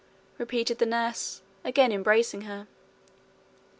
repeated the nurse, again embracing her.